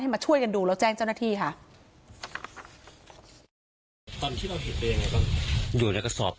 ให้มาช่วยกันดูแล้วแจ้งเจ้าหน้าที่ค่ะตอนที่เราเห็นเป็นยังไงบ้าง